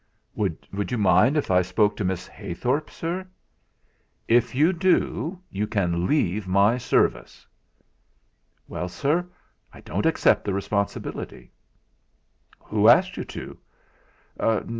"Would you mind if I spoke to Miss Heythorp, Sir?" "If you do, you can leave my service." "Well, Sir, I don't accept the responsibility." "Who asked you to?"